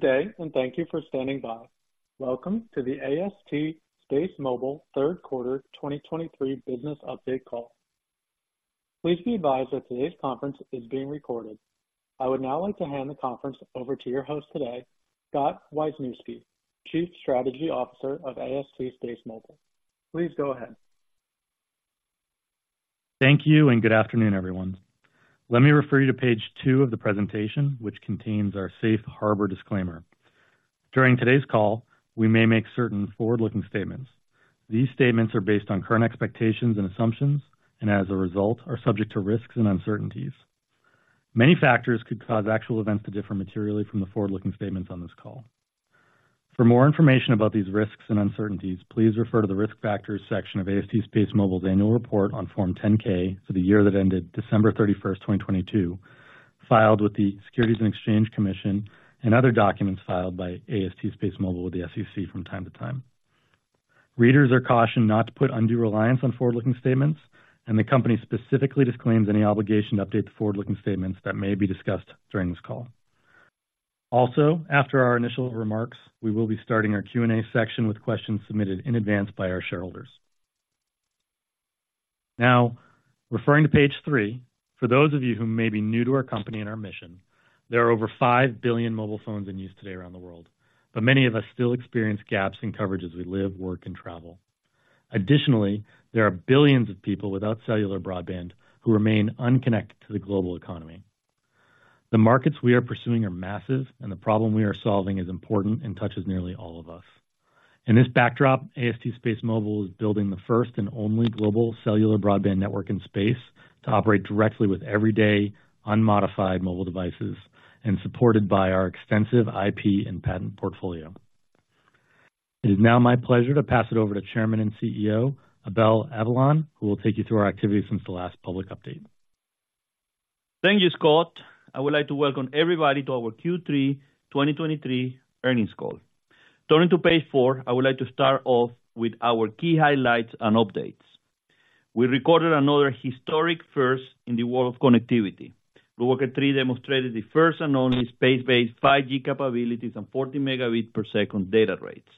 Today, and thank you for standing by. Welcome to the AST SpaceMobile Third Quarter 2023 Business Update Call. Please be advised that today's conference is being recorded. I would now like to hand the conference over to your host today, Scott Wisniewski, Chief Strategy Officer of AST SpaceMobile. Please go ahead. Thank you, and good afternoon, everyone. Let me refer you to page two of the presentation, which contains our safe harbor disclaimer. During today's call, we may make certain forward-looking statements. These statements are based on current expectations and assumptions, and as a result, are subject to risks and uncertainties. Many factors could cause actual events to differ materially from the forward-looking statements on this call. For more information about these risks and uncertainties, please refer to the Risk Factors section of AST SpaceMobile's annual report on Form 10-K for the year that ended December 31, 2022, filed with the Securities and Exchange Commission and other documents filed by AST SpaceMobile with the SEC from time to time. Readers are cautioned not to put undue reliance on forward-looking statements, and the company specifically disclaims any obligation to update the forward-looking statements that may be discussed during this call. Also, after our initial remarks, we will be starting our Q&A section with questions submitted in advance by our shareholders. Now, referring to page three, for those of you who may be new to our company and our mission, there are over 5 billion mobile phones in use today around the world, but many of us still experience gaps in coverage as we live, work, and travel. Additionally, there are billions of people without cellular broadband who remain unconnected to the global economy. The markets we are pursuing are massive, and the problem we are solving is important and touches nearly all of us. In this backdrop, AST SpaceMobile is building the first and only global cellular broadband network in space to operate directly with everyday, unmodified mobile devices and supported by our extensive IP and patent portfolio. It is now my pleasure to pass it over to Chairman and CEO, Abel Avellan, who will take you through our activities since the last public update. Thank you, Scott. I would like to welcome everybody to our Q3 2023 Earnings Call. Turning to page four, I would like to start off with our key highlights and updates. We recorded another historic first in the world of connectivity. BlueWalker 3 demonstrated the first and only space-based 5G capabilities and 40 Mbps data rates.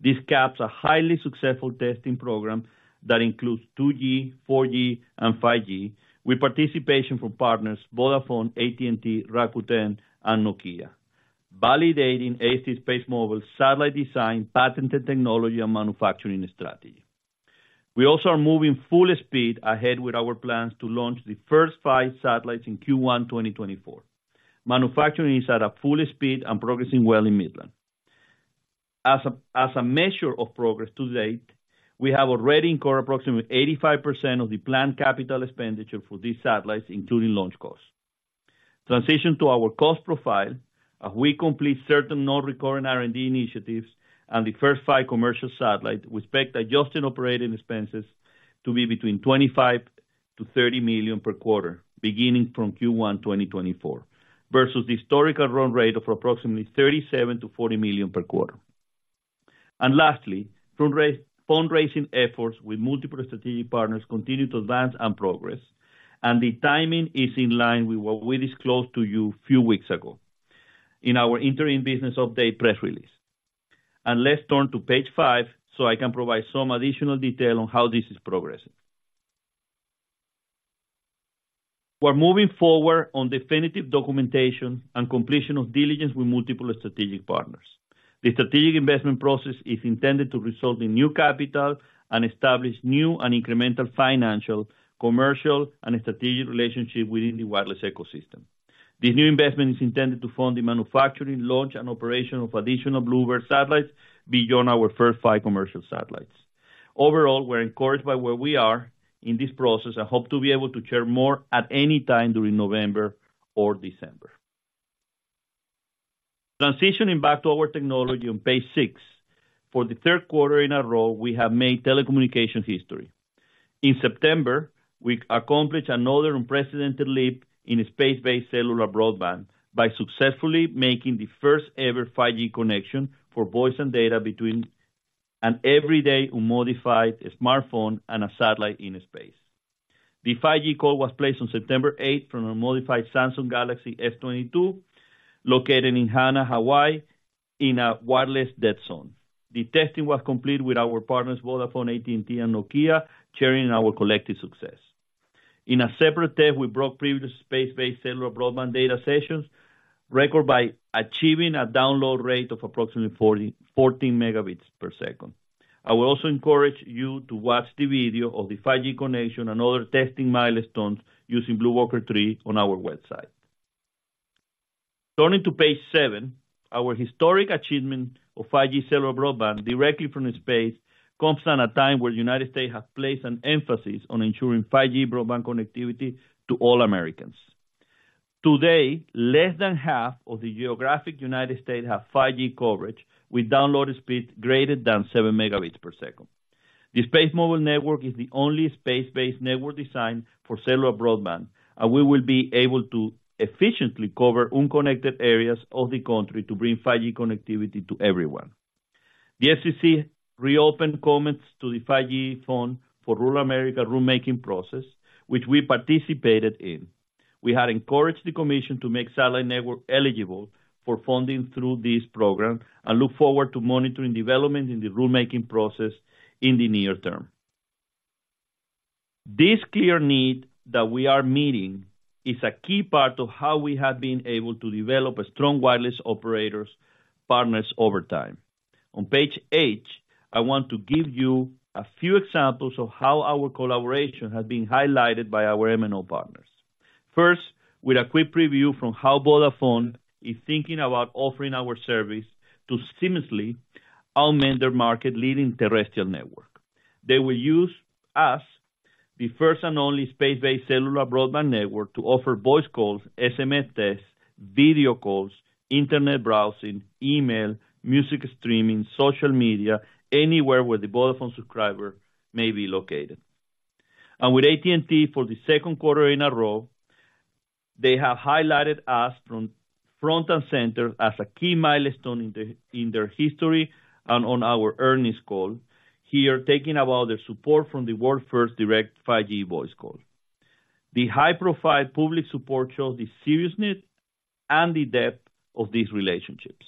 This caps a highly successful testing program that includes 2G, 4G, and 5G, with participation from partners Vodafone, AT&T, Rakuten, and Nokia, validating AST SpaceMobile's satellite design, patented technology, and manufacturing strategy. We also are moving full speed ahead with our plans to launch the first five satellites in Q1 2024. Manufacturing is at a full speed and progressing well in Midland. As a measure of progress to date, we have already incurred approximately 85% of the planned capital expenditure for these satellites, including launch costs. Transition to our cost profile, as we complete certain non-recurring R&D initiatives and the first five commercial satellites, we expect adjusted operating expenses to be between $25 million to $30 million per quarter, beginning from Q1 2024, versus the historical run rate of approximately $37 million to $40 million per quarter. Lastly, fundraising efforts with multiple strategic partners continue to advance and progress, and the timing is in line with what we disclosed to you a few weeks ago in our interim business update press release. Let's turn to page five, so I can provide some additional detail on how this is progressing. We're moving forward on definitive documentation and completion of diligence with multiple strategic partners. The strategic investment process is intended to result in new capital and establish new and incremental financial, commercial, and strategic relationships within the wireless ecosystem. This new investment is intended to fund the manufacturing, launch, and operation of additional BlueBird satellites beyond our first five commercial satellites. Overall, we're encouraged by where we are in this process and hope to be able to share more at any time during November or December. Transitioning back to our technology on page six. For the third quarter in a row, we have made telecommunications history. In September, we accomplished another unprecedented leap in space-based cellular broadband by successfully making the first-ever 5G connection for voice and data between an everyday, unmodified smartphone and a satellite in space. The 5G call was placed on September eighth from an unmodified Samsung Galaxy S22, located in Hana, Hawaii, in a wireless dead zone. The testing was completed with our partners, Vodafone, AT&T, and Nokia, sharing in our collective success. In a separate test, we broke previous space-based cellular broadband data sessions record by achieving a download rate of approximately 44 Mbps. I would also encourage you to watch the video of the 5G connection and other testing milestones using BlueWalker 3 on our website. Turning to page 7, our historic achievement of 5G cellular broadband directly from space comes at a time where the United States has placed an emphasis on ensuring 5G broadband connectivity to all Americans. Today, less than half of the geographic United States have 5G coverage, with download speeds greater than 7 Mbps. The SpaceMobile network is the only space-based network designed for cellular broadband, and we will be able to efficiently cover unconnected areas of the country to bring 5G connectivity to everyone. The FCC reopened comments to the 5G fund for Rural America rulemaking process, which we participated in. We had encouraged the commission to make satellite network eligible for funding through this program, and look forward to monitoring development in the rulemaking process in the near term. This clear need that we are meeting is a key part of how we have been able to develop a strong wireless operators partners over time. On page eight, I want to give you a few examples of how our collaboration has been highlighted by our MNO partners. First, with a quick preview from how Vodafone is thinking about offering our service to seamlessly augment their market-leading terrestrial network. They will use us, the first and only space-based cellular broadband network, to offer voice calls, SMS texts, video calls, internet browsing, email, music streaming, social media, anywhere where the Vodafone subscriber may be located. With AT&T, for the second quarter in a row, they have highlighted us from front and center as a key milestone in the, in their history and on our earnings call. Here, talking about their support from the world-first direct 5G voice call. The high-profile public support shows the seriousness and the depth of these relationships.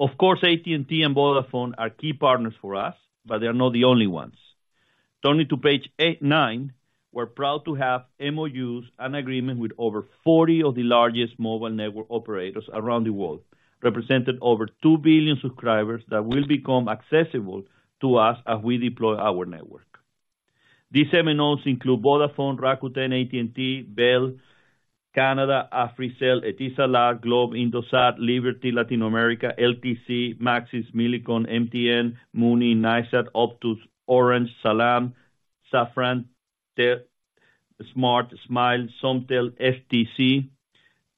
Of course, AT&T and Vodafone are key partners for us, but they are not the only ones. Turning to page 89, we're proud to have MOUs and agreement with over 40 of the largest mobile network operators around the world, representing over 2 billion subscribers that will become accessible to us as we deploy our network. These MNOs include Vodafone, Rakuten, AT&T, Bell Canada, Africell, Etisalat, Globe, Indosat, Liberty Latin America, LTC, Maxis, Millicom, MTN, Muni, Nysat, Optus, Orange, Salam, Safran, Tech, Smart, Smile, Somtel, STC,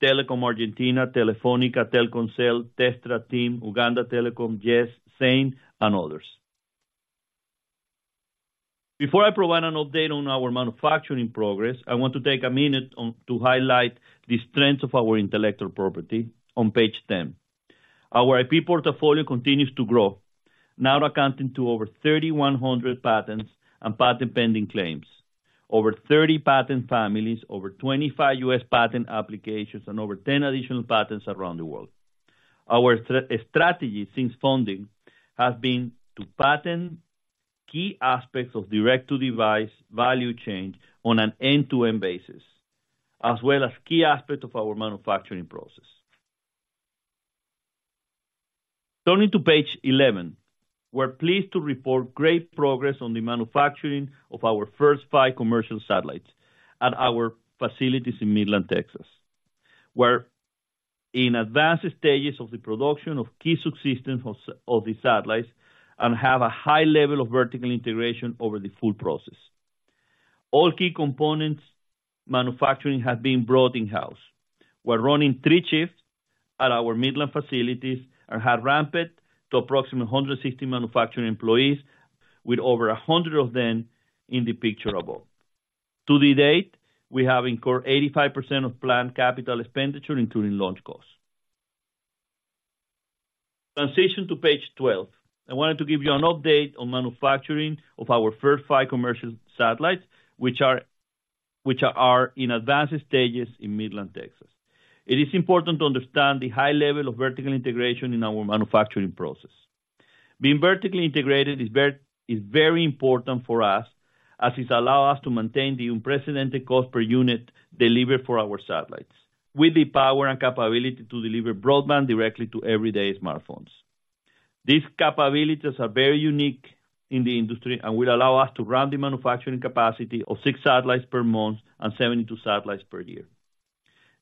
Telecom Argentina, Telefónica, Telkomsel, Telstra, Uganda Telecom, Jazz, Zain, and others. Before I provide an update on our manufacturing progress, I want to take a minute to highlight the strength of our intellectual property on page 10. Our IP portfolio continues to grow, now amounting to over 3,100 patents and patent pending claims. Over 30 patent families, over 25 US patent applications, and over 10 additional patents around the world. Our strategy since founding has been to patent key aspects of direct-to-device value chain on an end-to-end basis, as well as key aspects of our manufacturing process. Turning to page 11. We're pleased to report great progress on the manufacturing of our first five commercial satellites at our facilities in Midland, Texas. We're in advanced stages of the production of key subsystems of the satellites and have a high level of vertical integration over the full process. All key components manufacturing have been brought in-house. We're running three shifts at our Midland facilities and have ramped to approximately 160 manufacturing employees, with over 100 of them in the picture above. To date, we have incurred 85% of planned capital expenditure, including launch costs. Transition to page twelve. I wanted to give you an update on manufacturing of our first five commercial satellites, which are, which are in advanced stages in Midland, Texas. It is important to understand the high level of vertical integration in our manufacturing process. Being vertically integrated is very, is very important for us, as it allow us to maintain the unprecedented cost per unit delivered for our satellites, with the power and capability to deliver broadband directly to everyday smartphones. These capabilities are very unique in the industry and will allow us to run the manufacturing capacity of 6 satellites per month and 72 satellites per year.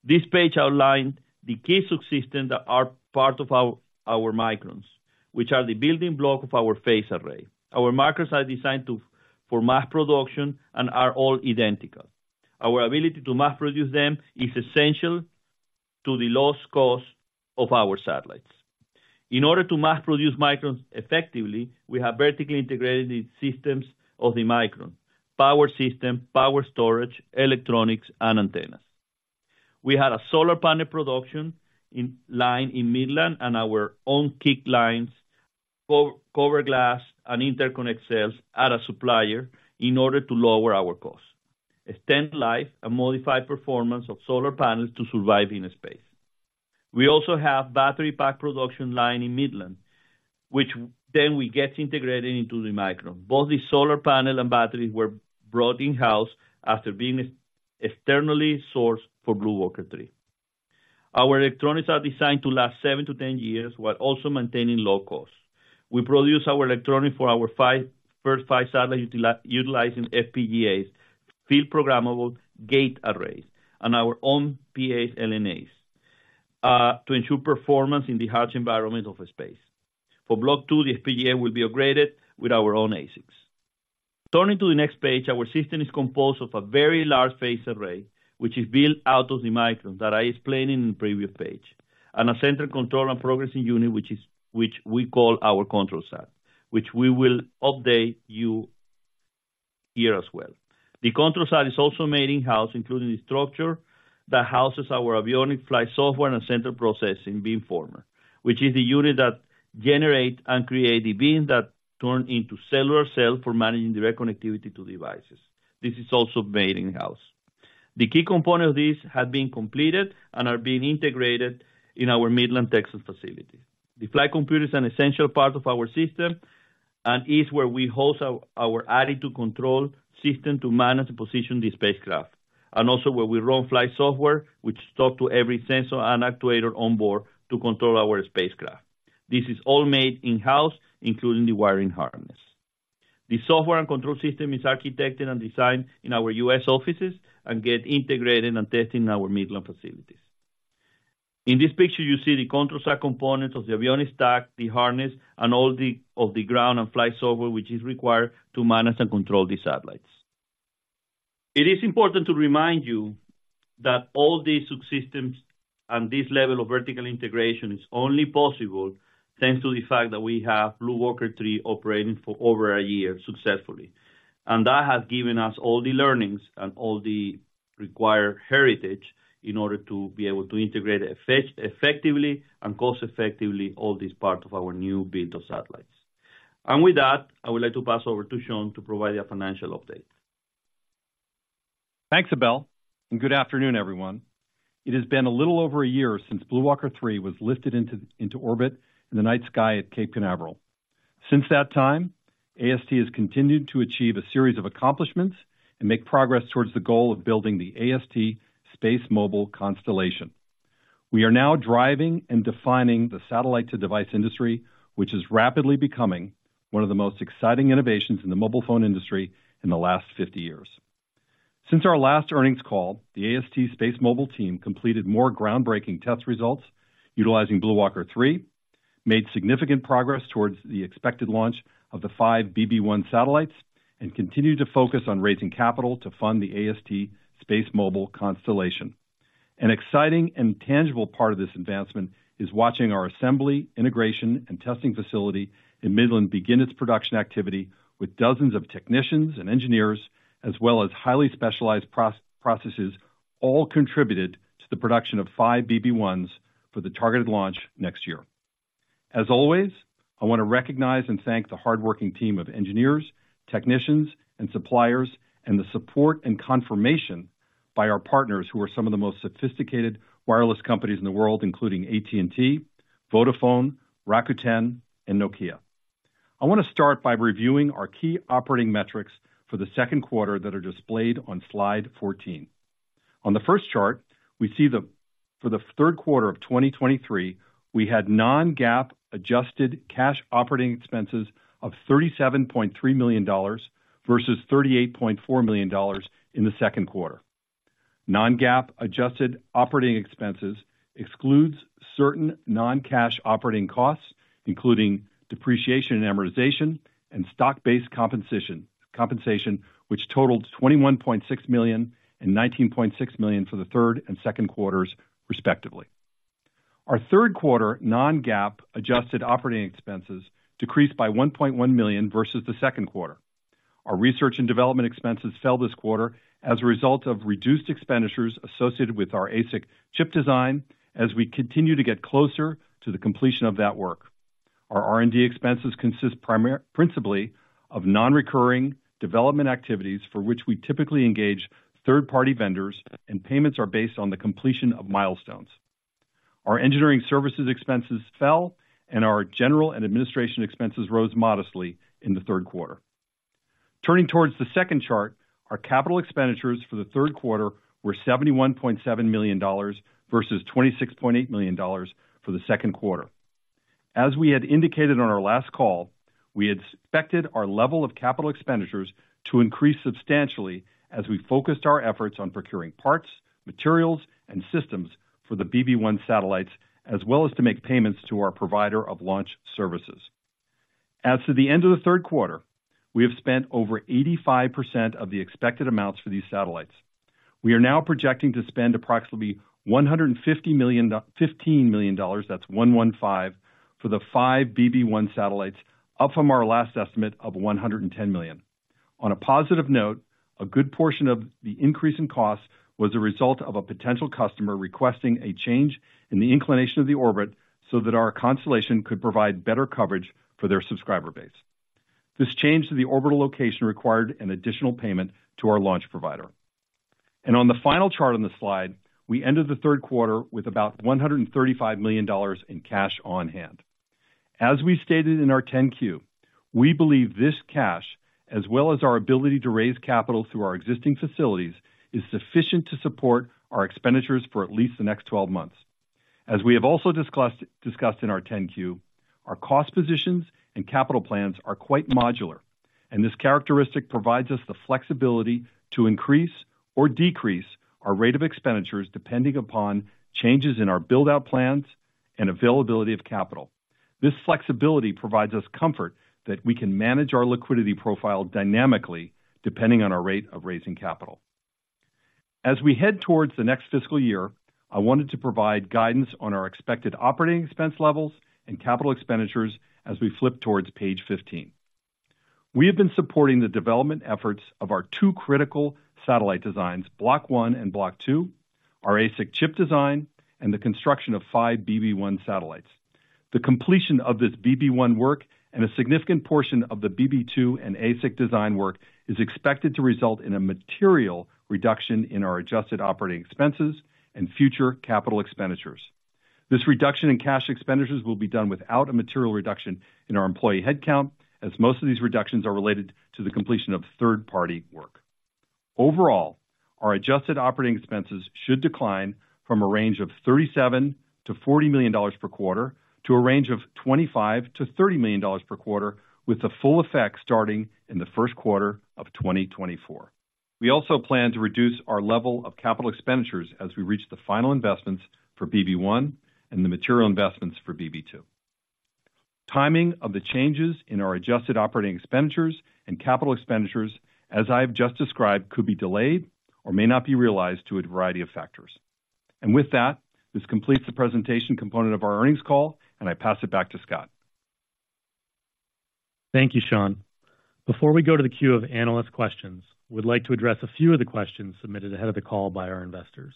This page outlines the key subsystems that are part of our, our Microns, which are the building block of our phased array. Our Microns are designed for mass production and are all identical. Our ability to mass produce them is essential to the lowest cost of our satellites. In order to mass produce Microns effectively, we have vertically integrated the systems of the Micron: power system, power storage, electronics, and antennas. We had a solar panel production in line in Midland and our own CIC lines, cover glass and interconnect cells at a supplier in order to lower our costs, extend life and modify performance of solar panels to survive in space. We also have battery pack production line in Midland, which then we get integrated into the Micron. Both the solar panel and batteries were brought in-house after being externally sourced for BlueWalker 3. Our electronics are designed to last 7-10 years while also maintaining low costs. We produce our electronics for our first five satellites utilizing FPGAs, field-programmable gate arrays, and our own PA LNAs to ensure performance in the harsh environment of space. For Block Two, the FPGA will be upgraded with our own ASICs. Turning to the next page, our system is composed of a very large phased array, which is built out of the Microns that I explained in the previous page, and a central control and processing unit, which we call our ControlSat, which we will update you on here as well. The ControlSat is also made in-house, including the structure that houses our avionics flight software and central processing beamformer, which is the unit that generate and create the beam that turn into cellular-cell for managing direct connectivity to devices. This is also made in-house. The key component of this have been completed and are being integrated in our Midland, Texas facility. The flight computer is an essential part of our system and is where we host our attitude control system to manage the position of the spacecraft, and also where we run flight software, which talk to every sensor and actuator on board to control our spacecraft. This is all made in-house, including the wiring harness. The software and control system is architected and designed in our U.S. offices and get integrated and tested in our Midland facilities. In this picture, you see the ControlSat component of the avionics stack, the harness, and all of the ground and flight software, which is required to manage and control the satellites. It is important to remind you that all these subsystems and this level of vertical integration is only possible thanks to the fact that we have BlueWalker 3 operating for over a year successfully. That has given us all the learnings and all the required heritage in order to be able to integrate effectively and cost-effectively all these parts of our new build of satellites. And with that, I would like to pass over to Sean to provide a financial update. Thanks, Abel, and good afternoon, everyone. It has been a little over a year since BlueWalker 3 was lifted into orbit in the night sky at Cape Canaveral. Since that time, AST has continued to achieve a series of accomplishments and make progress towards the goal of building the AST SpaceMobile constellation. We are now driving and defining the satellite-to-device industry, which is rapidly becoming one of the most exciting innovations in the mobile phone industry in the last 50 years. Since our last earnings call, the AST SpaceMobile team completed more groundbreaking test results utilizing BlueWalker 3, made significant progress towards the expected launch of the five BB-1 satellites, and continued to focus on raising capital to fund the AST SpaceMobile constellation. An exciting and tangible part of this advancement is watching our assembly, integration, and testing facility in Midland begin its production activity with dozens of technicians and engineers, as well as highly specialized processes, all contributed to the production of five BB-1s for the targeted launch next year. As always, I want to recognize and thank the hardworking team of engineers, technicians, and suppliers, and the support and confirmation by our partners, who are some of the most sophisticated wireless companies in the world, including AT&T, Vodafone, Rakuten, and Nokia. I want to start by reviewing our key operating metrics for the second quarter that are displayed on slide 14. On the first chart, we see, for the third quarter of 2023, we had non-GAAP adjusted cash operating expenses of $37.3 million versus $38.4 million in the second quarter. Non-GAAP adjusted operating expenses excludes certain non-cash operating costs, including depreciation and amortization and stock-based compensation, compensation, which totaled $21.6 million and $19.6 million for the third and second quarters, respectively. Our third quarter non-GAAP adjusted operating expenses decreased by $1.1 million versus the second quarter. Our research and development expenses fell this quarter as a result of reduced expenditures associated with our ASIC chip design, as we continue to get closer to the completion of that work. Our R&D expenses consist principally of non-recurring development activities, for which we typically engage third-party vendors, and payments are based on the completion of milestones. Our engineering services expenses fell, and our general and administration expenses rose modestly in the third quarter. Turning towards the second chart, our capital expenditures for the third quarter were $71.7 million versus $26.8 million for the second quarter. As we had indicated on our last call, we had expected our level of capital expenditures to increase substantially as we focused our efforts on procuring parts, materials, and systems for the BB-1 satellites, as well as to make payments to our provider of launch services. As of the end of the third quarter, we have spent over 85% of the expected amounts for these satellites. We are now projecting to spend approximately $115 million for the five BB-1 satellites, up from our last estimate of $110 million. On a positive note, a good portion of the increase in cost was a result of a potential customer requesting a change in the inclination of the orbit so that our constellation could provide better coverage for their subscriber base. This change to the orbital location required an additional payment to our launch provider. On the final chart on the slide, we ended the third quarter with about $135 million in cash on hand. As we stated in our 10-Q, we believe this cash, as well as our ability to raise capital through our existing facilities, is sufficient to support our expenditures for at least the next 12 months. As we have also discussed in our 10-Q, our cost positions and capital plans are quite modular, and this characteristic provides us the flexibility to increase or decrease our rate of expenditures, depending upon changes in our build-out plans and availability of capital. This flexibility provides us comfort that we can manage our liquidity profile dynamically, depending on our rate of raising capital. As we head towards the next fiscal year, I wanted to provide guidance on our expected operating expense levels and capital expenditures as we flip towards page 15. We have been supporting the development efforts of our two critical satellite designs, Block One and Block Two, our ASIC chip design, and the construction of five BB1 satellites. The completion of this BB1 work and a significant portion of the BB2 and ASIC design work is expected to result in a material reduction in our adjusted operating expenses and future capital expenditures. This reduction in cash expenditures will be done without a material reduction in our employee headcount, as most of these reductions are related to the completion of third-party work. Overall, our adjusted operating expenses should decline from a range of $37 million to $40 million per quarter to a range of $25 million to $30 million per quarter, with the full effect starting in the first quarter of 2024. We also plan to reduce our level of capital expenditures as we reach the final investments for BB1 and the material investments for BB2. Timing of the changes in our adjusted operating expenditures and capital expenditures, as I've just described, could be delayed or may not be realized due to a variety of factors. With that, this completes the presentation component of our earnings call, and I pass it back to Scott. Thank you, Sean. Before we go to the queue of analyst questions, we'd like to address a few of the questions submitted ahead of the call by our investors.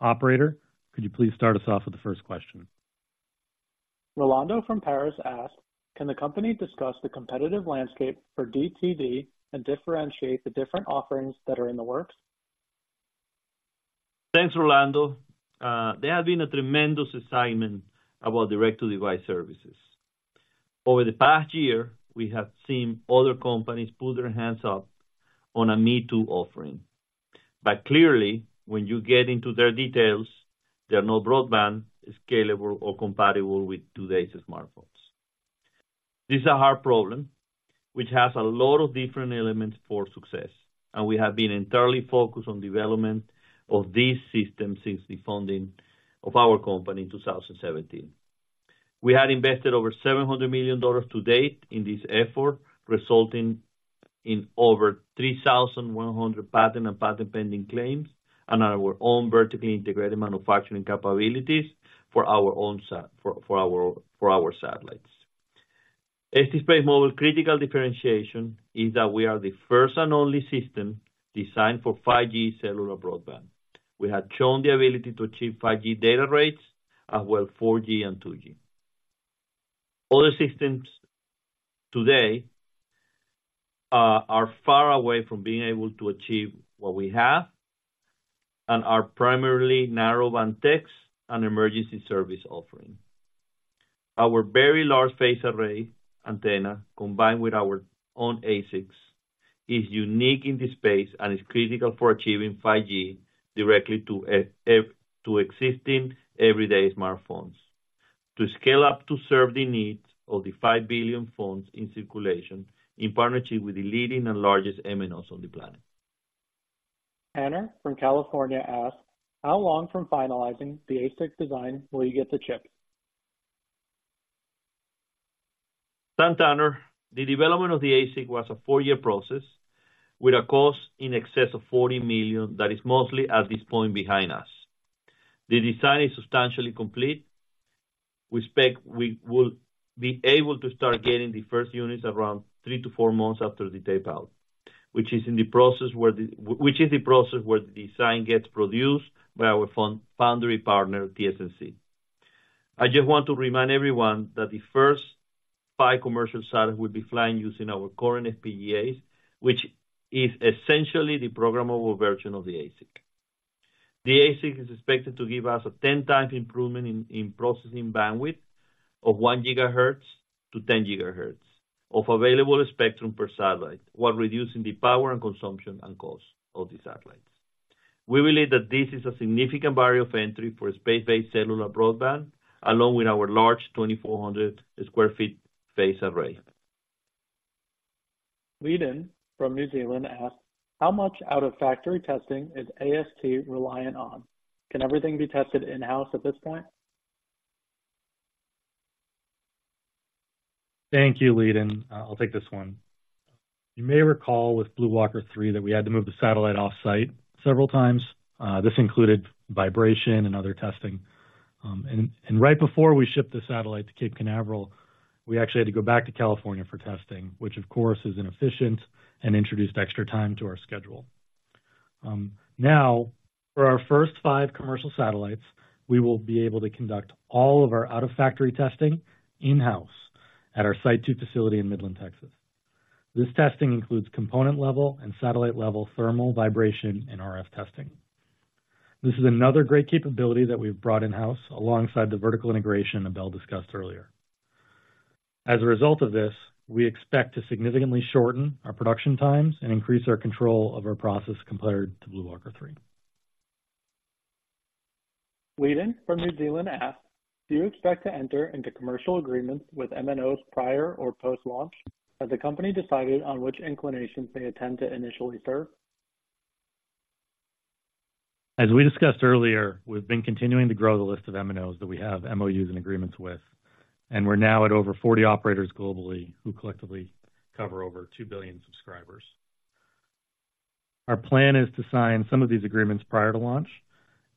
Operator, could you please start us off with the first question? Rolando from Paris asks, "Can the company discuss the competitive landscape for DTD and differentiate the different offerings that are in the works? Thanks, Rolando. There have been a tremendous excitement about direct-to-device services. Over the past year, we have seen other companies put their hands up on a me-too offering. But clearly, when you get into their details, they are not broadband, scalable, or compatible with today's smartphones. This is a hard problem, which has a lot of different elements for success, and we have been entirely focused on development of this system since the founding of our company in 2017. We have invested over $700 million to date in this effort, resulting in over 3,100 patent and patent-pending claims and our own vertically integrated manufacturing capabilities for our satellites. AST SpaceMobile critical differentiation is that we are the first and only system designed for 5G cellular broadband. We have shown the ability to achieve 5G data rates, as well 4G and 2G. Other systems today are far away from being able to achieve what we have and are primarily narrowband text and emergency service offering. Our very large phased array antenna, combined with our own ASICs, is unique in this space and is critical for achieving 5G directly to existing everyday smartphones, to scale up to serve the needs of the 5 billion phones in circulation in partnership with the leading and largest MNOs on the planet. Tanner from California asks, "How long from finalizing the ASIC design will you get the chip? Thanks, Tanner. The development of the ASIC was a 4-year process with a cost in excess of $40 million. That is mostly, at this point, behind us. The design is substantially complete. We expect we will be able to start getting the first units around 3-4 months after the tape out, which is the process where the design gets produced by our foundry partner, TSMC. I just want to remind everyone that the first five commercial satellites will be flying using our current FPGAs, which is essentially the programmable version of the ASIC. The ASIC is expected to give us a 10x improvement in processing bandwidth of 1 GHz-10 GHz of available spectrum per satellite, while reducing the power and consumption and cost of the satellites. We believe that this is a significant barrier of entry for space-based cellular broadband, along with our large 2,400sq ft phased array. Lydon from New Zealand asks, "How much out of factory testing is AST reliant on? Can everything be tested in-house at this point? Thank you, Lydon. I'll take this one. You may recall with BlueWalker 3 that we had to move the satellite off-site several times. This included vibration and other testing. Right before we shipped the satellite to Cape Canaveral, we actually had to go back to California for testing, which of course is inefficient and introduced extra time to our schedule. Now, for our first 5 commercial satellites, we will be able to conduct all of our out-of-factory testing in-house at our Site Two facility in Midland, Texas. This testing includes component-level and satellite-level thermal vibration and RF testing. This is another great capability that we've brought in-house alongside the vertical integration that Abel discussed earlier. As a result of this, we expect to significantly shorten our production times and increase our control of our process compared to BlueWalker 3. Lydon from New Zealand asks, "Do you expect to enter into commercial agreements with MNOs prior or post-launch? Has the company decided on which inclinations they intend to initially serve? As we discussed earlier, we've been continuing to grow the list of MNOs that we have MOUs and agreements with. We're now at over 40 operators globally, who collectively cover over 2 billion subscribers. Our plan is to sign some of these agreements prior to launch,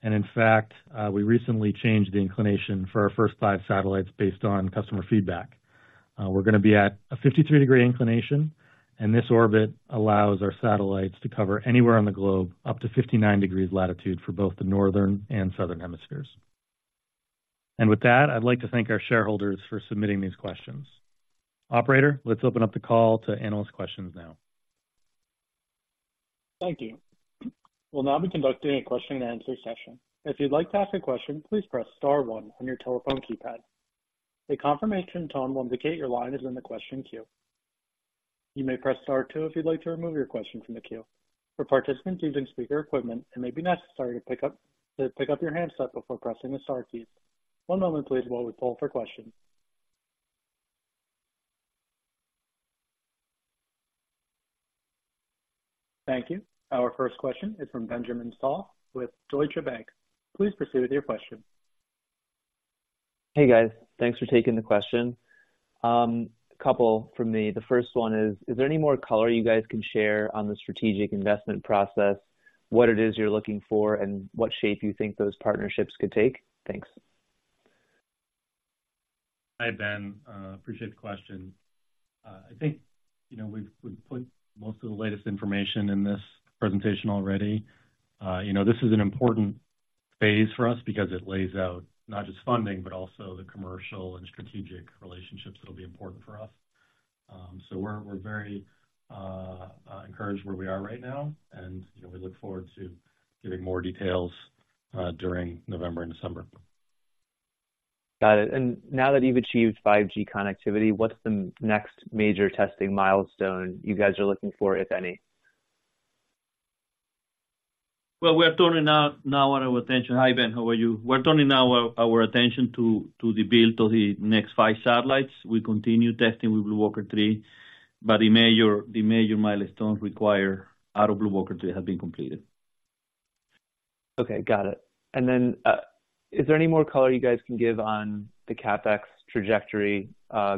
and in fact, we recently changed the inclination for our first 5 satellites based on customer feedback. We're gonna be at a 53-degree inclination, and this orbit allows our satellites to cover anywhere on the globe, up to 59 degrees latitude for both the northern and southern hemispheres. With that, I'd like to thank our shareholders for submitting these questions. Operator, let's open up the call to analyst questions now. Thank you. We'll now be conducting a question-and-answer session. If you'd like to ask a question, please press star one on your telephone keypad. A confirmation tone will indicate your line is in the question queue. You may press star two if you'd like to remove your question from the queue. For participants using speaker equipment, it may be necessary to pick up your handset before pressing the star keys. One moment please, while we poll for questions. Thank you. Our first question is from Benjamin Black with Deutsche Bank. Please proceed with your question. Hey, guys. Thanks for taking the question. A couple from me. The first one is: Is there any more color you guys can share on the strategic investment process, what it is you're looking for, and what shape you think those partnerships could take? Thanks. Hi, Ben. Appreciate the question. I think, you know, we've put most of the latest information in this presentation already. You know, this is an important phase for us because it lays out not just funding, but also the commercial and strategic relationships that will be important for us. So we're very encouraged where we are right now and, you know, we look forward to giving more details during November and December. Got it. And now that you've achieved 5G connectivity, what's the next major testing milestone you guys are looking for, if any? Hi, Ben, how are you? We're turning our attention now to the build of the next five satellites. We continue testing with BlueWalker 3, but the major milestones required of BlueWalker 3 have been completed. Okay, got it. And then, is there any more color you guys can give on the CapEx trajectory,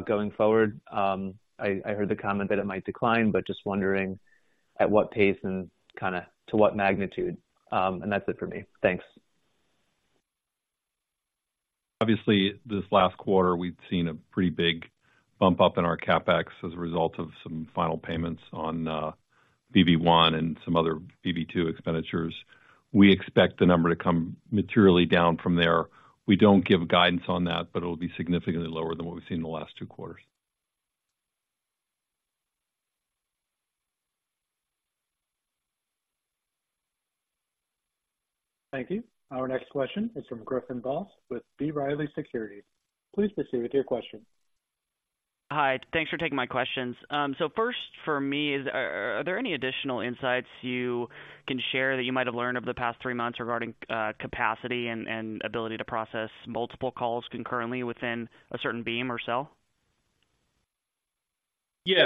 going forward? I heard the comment that it might decline, but just wondering at what pace and kind of to what magnitude? And that's it for me. Thanks. Obviously, this last quarter, we've seen a pretty big bump up in our CapEx as a result of some final payments on BB1 and some other BB2 expenditures. We expect the number to come down materially from there. We don't give guidance on that, but it'll be significantly lower than what we've seen in the last two quarters. Thank you. Our next question is from Griffin Boss with B. Riley Securities. Please proceed with your question. Hi, thanks for taking my questions. So first for me is, are there any additional insights you can share that you might have learned over the past three months regarding capacity and ability to process multiple calls concurrently within a certain beam or cell? We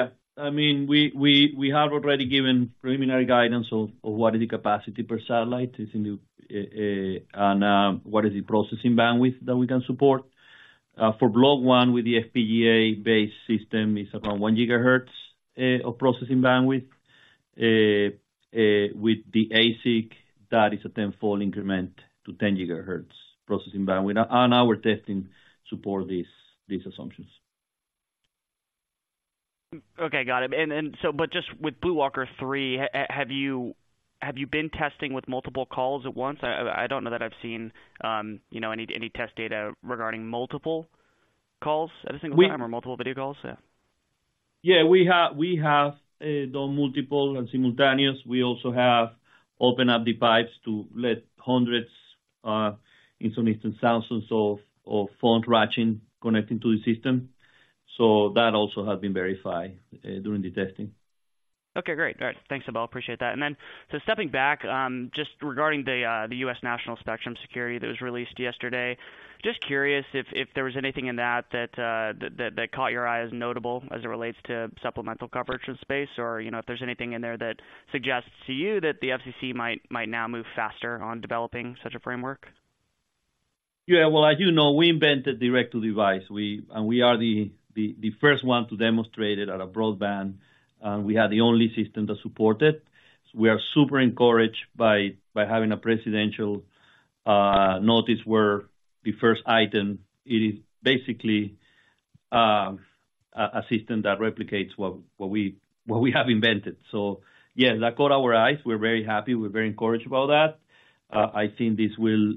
have already given preliminary guidance of what is the capacity per satellite is in the, and what is the processing bandwidth that we can support. For Block 1 with the FPGA-based system, is about 1 GHz of processing bandwidth. With the ASIC, that is a tenfold increment to 10 GHz processing bandwidth. And our testing support these assumptions. Okay, got it. But just with BlueWalker 3, have you been testing with multiple calls at once? I don't know that I've seen, you know, any test data regarding multiple calls at a single time or multiple video calls? Yeah. Yeah, we have, we have, done multiple and simultaneous. We also have opened up the pipes to let hundreds, in some instance, thousands of phones latching, connecting to the system. So that also has been verified during the testing. Okay, great. All right. Thanks, Abel. I appreciate that. And then, so stepping back, just regarding the U.S. National Spectrum Security that was released yesterday, just curious if there was anything in that that caught your eye as notable as it relates to supplemental coverage in space or, you know, if there's anything in there that suggests to you that the FCC might now move faster on developing such a framework? Yeah, well, as you know, we invented direct-to-device. We and we are the first one to demonstrate it at a broadband, and we are the only system that support it. We are super encouraged by having a presidential notice where the first item, it is basically a system that replicates what we have invented. So yeah, that caught our eyes. We're very happy. We're very encouraged about that. I think this will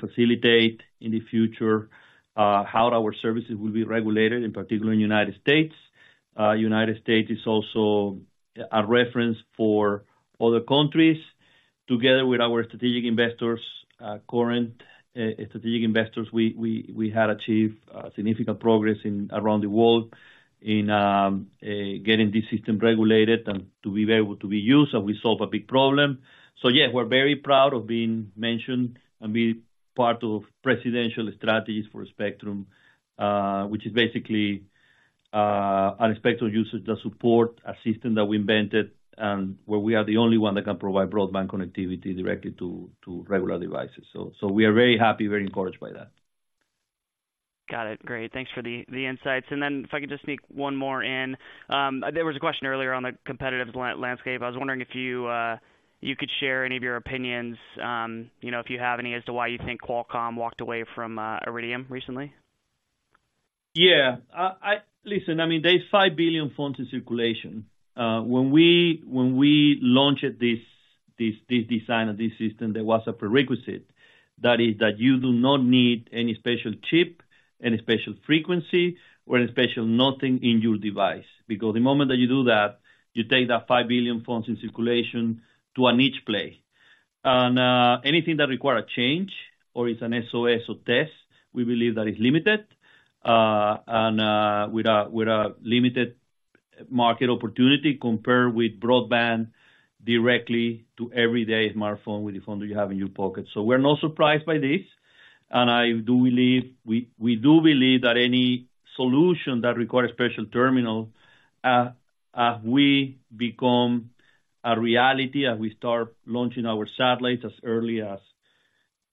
facilitate in the future how our services will be regulated, in particular in the United States. United States is also a reference for other countries. Together with our strategic investors, current strategic investors, we had achieved significant progress around the world in getting this system regulated and to be able to be used, and we solve a big problem. So yeah, we're very proud of being mentioned and be part of presidential strategies for spectrum, which is basically unexpected usage that support a system that we invented and where we are the only one that can provide broadband connectivity directly to regular devices. So we are very happy, very encouraged by that. Got it. Great. Thanks for the insights. And then if I could just sneak one more in. There was a question earlier on the competitive landscape. I was wondering if you could share any of your opinions, you know, if you have any, as to why you think Qualcomm walked away from Iridium recently? Yeah. Listen, I mean, there are 5 billion phones in circulation. When we launched this design of this system, there was a prerequisite that is that you do not need any special chip, any special frequency or any special nothing in your device. Because the moment that you do that, you take that 5 billion phones in circulation to a niche play. And anything that require a change or is an SOS or test, we believe that is limited, and with a limited market opportunity compared with broadband directly to everyday smartphone, with the phone that you have in your pocket. So we're not surprised by this, and I do believe—we, we do believe that any solution that requires special terminal, as we become a reality, as we start launching our satellites as early as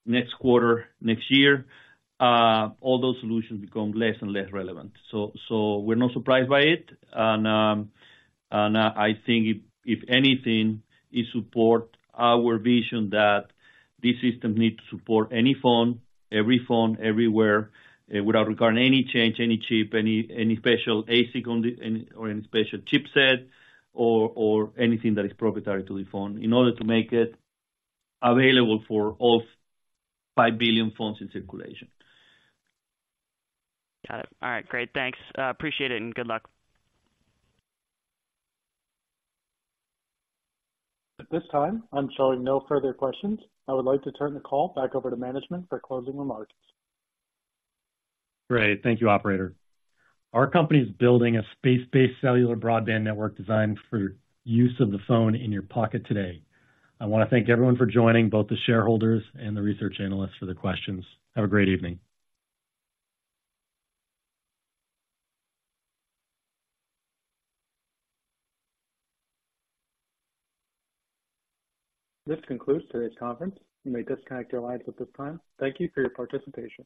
next quarter, next year, all those solutions become less and less relevant. So, so we're not surprised by it. And, and, I think if, if anything, it support our vision that this system needs to support any phone, every phone, everywhere, without requiring any change, any chip, any, any special ASIC on the—any, or any special chipset or, or anything that is proprietary to the phone, in order to make it available for all 5 billion phones in circulation. Got it. All right, great. Thanks. Appreciate it, and good luck. At this time, I'm showing no further questions. I would like to turn the call back over to management for closing remarks. Great. Thank you, operator. Our company is building a space-based cellular broadband network designed for use of the phone in your pocket today. I want to thank everyone for joining, both the shareholders and the research analysts for the questions. Have a great evening. This concludes today's conference. You may disconnect your lines at this time. Thank you for your participation.